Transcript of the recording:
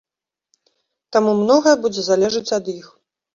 Таму многае будзе залежаць ад іх.